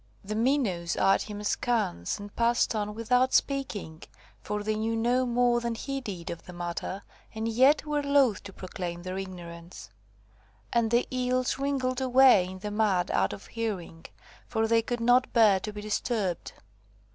The minnows eyed him askance and passed on without speaking, for they knew no more than he did of the matter, and yet were loth to proclaim their ignorance; and the eels wriggled away in the mud out of hearing, for they could not bear to be disturbed.